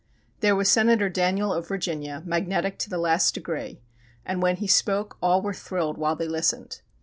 There was Senator Daniel of Virginia, magnetic to the last degree, and when he spoke all were thrilled while they listened.